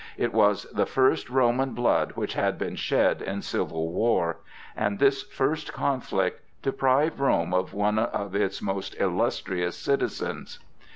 It was the first Roman blood which had been shed in civil war, and this first conflict deprived Rome of one of its most illustrious citizens.